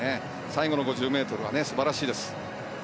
最後の５０ｍは素晴らしいです。